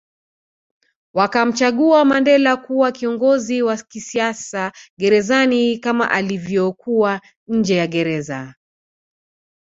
Wakamchagua Mandela kuwa kiongozi wa kisiasa gerezani kama alivyokuwa nje ya Gereza